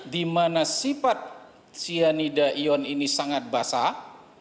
dimana sifat cyanida ion ini sangat basah